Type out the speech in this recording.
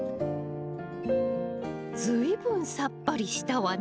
随分さっぱりしたわね。